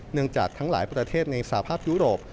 จากทั้งหลายประเทศในสภาพยุโรป